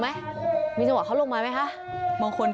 อุทธิวัฒน์อิสธิวัฒน์